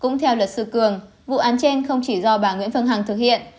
cũng theo luật sư cường vụ án trên không chỉ do bà nguyễn phương hằng thực hiện